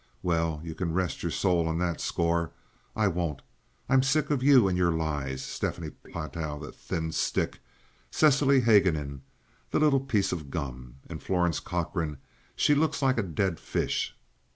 Well, you can rest your soul on that score. I won't. I'm sick of you and your lies. Stephanie Platow—the thin stick! Cecily Haguenin—the little piece of gum! And Florence Cochrane—she looks like a dead fish!"